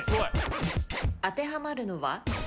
当てはまるのは？